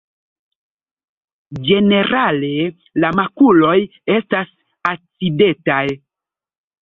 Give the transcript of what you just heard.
Ĝenerale la makuloj estas acidetaj.